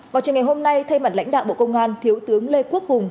vào trường ngày hôm nay thay mặt lãnh đạo bộ công an thiếu tướng lê quốc hùng